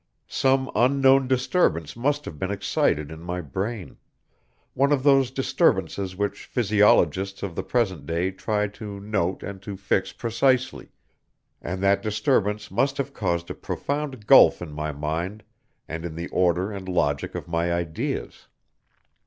Some unknown disturbance must have been excited in my brain, one of those disturbances which physiologists of the present day try to note and to fix precisely, and that disturbance must have caused a profound gulf in my mind and in the order and logic of my ideas.